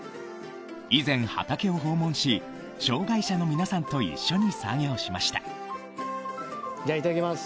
以前畑を訪問し障害者の皆さんと一緒に作業しましたじゃあいただきます